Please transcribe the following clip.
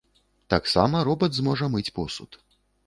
Таксама робат зможа мыць посуд.